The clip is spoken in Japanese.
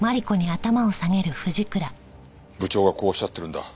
部長がこうおっしゃってるんだ。